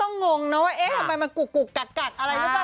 งงผมหมาก็กลุกกูกกัดกัดอะไรรึเปล่า